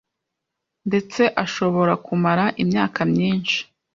ndetse ashobora kumara imyaka myinshi.